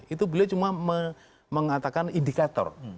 itu beliau cuma mengatakan indikator